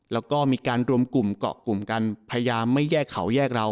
แล้วก็มีการรวมกลุ่มเกาะกลุ่มกันพยายามไม่แยกเขาแยกเรา